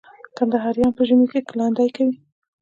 کندهاریان په ژمي کي لاندی کوي.